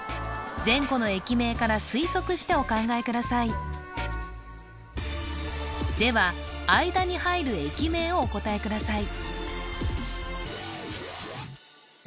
前後の駅名から推測してお考えくださいでは間に入る駅名をお答えください